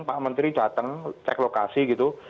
pak menteri datang cek lokasi gitu